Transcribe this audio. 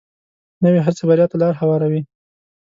نوې هڅه بریا ته لار هواروي